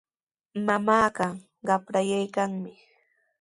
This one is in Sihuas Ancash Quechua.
Mamaaqa qaprayaykanmi.